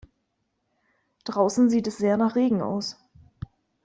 Draußen sieht es sehr nach Regen aus.